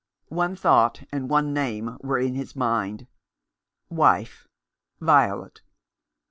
One thought and one name were in his mind. "Wife! Violet!"